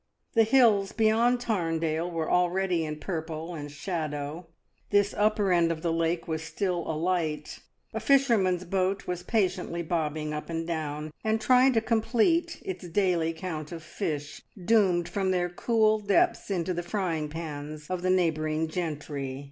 The hills beyond Tarndale were already in purple and shadow; this upper end of the lake was still alight; a fisherman's boat was patiently bobbing up and down, and trying to complete its daily count of fish, doomed from their cool depths into the fry ing pans of the neighbouring gentry.